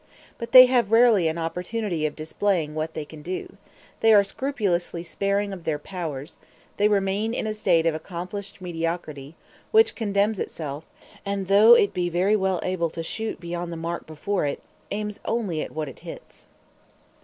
But they have rarely an opportunity of displaying what they can do; they are scrupulously sparing of their powers; they remain in a state of accomplished mediocrity, which condemns itself, and, though it be very well able to shoot beyond the mark before it, aims only at what it hits.